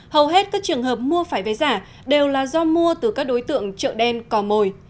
hầu hết các trường hợp mua phải vé giả đều là do mua từ các đối tượng chợ đen cò mồi